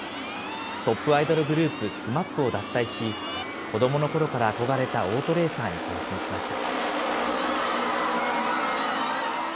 トップアイドルグループ、ＳＭＡＰを脱退し、子どものころから憧れたオートレーサーに転身しました。